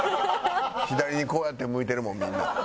「左にこうやって向いてるもんみんな」